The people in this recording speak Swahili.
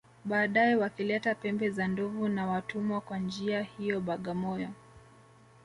Baadae wakileta pembe za ndovu na watumwa Kwa njia hiyo Bagamoyo